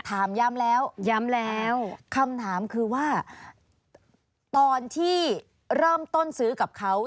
ถามย้ำแล้วย้ำแล้วคำถามคือว่าตอนที่เริ่มต้นซื้อกับเขา